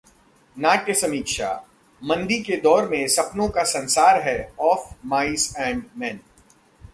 नाट्य समीक्षा: मंदी के दौर में सपनों का संसार है 'ऑफ माइस एंड मैन'